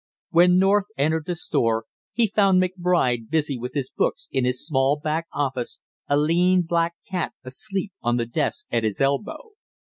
When North entered the store he found McBride busy with his books in his small back office, a lean black cat asleep on the desk at his elbow.